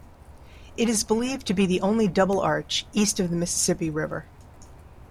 It is believed to be the only double-arch east of the Mississippi River.